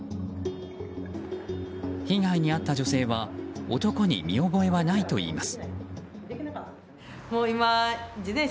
被害に遭った女性は男に見覚えはないといいます。